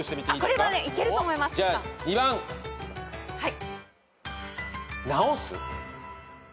これはいけると思います。